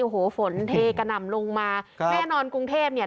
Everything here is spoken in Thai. โอ้โหฝนเทกระหน่ำลงมาครับแน่นอนกรุงเทพเนี่ย